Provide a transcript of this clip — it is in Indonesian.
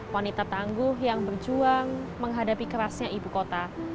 wanita tangguh yang berjuang menghadapi kerasnya ibu kota